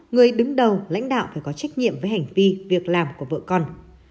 người đứng đầu lãnh đạo phải có trách nhiệm với hành vi việc làm của vợ con